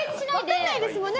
わかんないですもんね